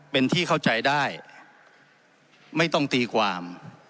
เป็นที่เข้าใจได้ไม่ต้องตีความ